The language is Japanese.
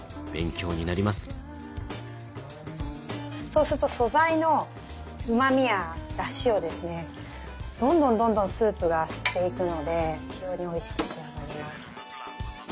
そうすると素材のうまみやだしをですねどんどんどんどんスープが吸っていくので非常においしく仕上がります。